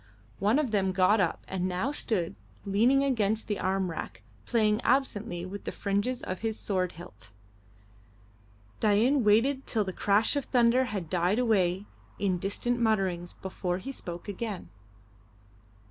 One of them got up and now stood leaning against the arm rack, playing absently with the fringes of his sword hilt. Dain waited till the crash of thunder had died away in distant mutterings before he spoke again.